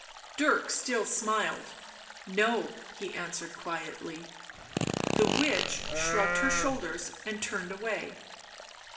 Dirk still smiled. " No," he answered quietly. The witch shrugged her shoulders and turned away.